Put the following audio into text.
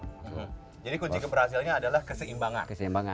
jadi kunci keberhasilannya adalah keseimbangan